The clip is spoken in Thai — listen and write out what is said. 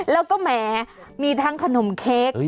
แล้วก็แหมมีทั้งขนมเค้ก